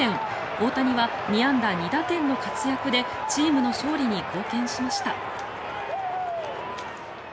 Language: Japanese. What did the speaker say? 大谷は２安打２打点の活躍でチームの勝利に貢献しました。